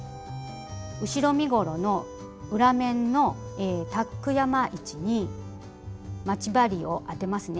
後ろ身ごろの裏面のタック山位置に待ち針を当てますね。